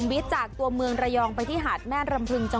วิทยาลัยศาสตร์อัศวิทยาลัยศาสตร์